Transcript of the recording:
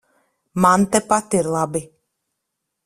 Man tepat ir labi.